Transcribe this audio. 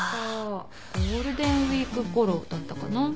ゴールデンウイークごろだったかな。